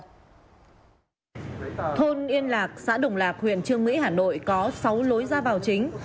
thôn yên lạc xã đồng lạc huyện trương mỹ hà nội có sáu lối ra vào chính